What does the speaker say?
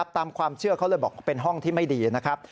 ตามความเชื่อเขาเลยบอกเป็นห้องที่ไม่ดีนะครับ